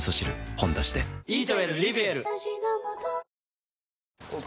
「ほんだし」でおい